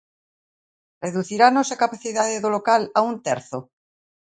Reducirannos a capacidade do local a un terzo?